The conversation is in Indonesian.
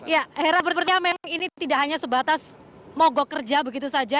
ya hera berikutnya memang ini tidak hanya sebatas mogok kerja begitu saja